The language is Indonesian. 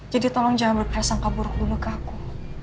jadi tolong jangan berperasaan keburuk dulu ke aku